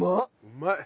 うまい！